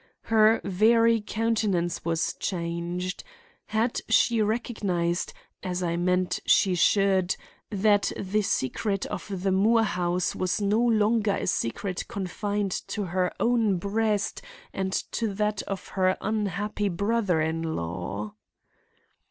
Her very countenance was changed. Had she recognized, as I meant she should, that the secret of the Moore house was no longer a secret confined to her own breast and to that of her unhappy brother in law?